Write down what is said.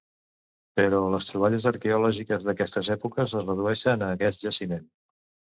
Però les troballes arqueològiques d'aquestes èpoques es redueixen a aquest jaciment.